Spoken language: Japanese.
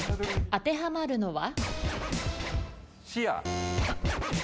当てはまるのは？